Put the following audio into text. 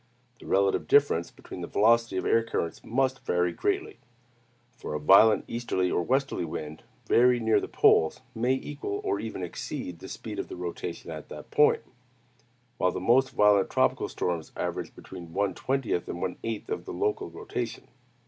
The relative difference between the velocity of air currents must vary greatly; for a violent easterly or westerly wind very near the poles may equal or even exceed the speed of the rotation of that point; while the most violent tropical storms average between one twentieth and one eighth of the local rotation.